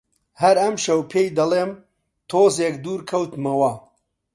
هەر ئەمشەو پێی دەڵێم، تۆزێک دوور کەوتمەوە